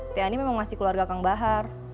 teh ani memang masih keluarga kang bahar